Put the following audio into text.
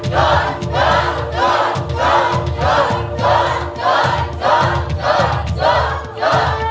จด